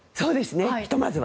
ひとまずは。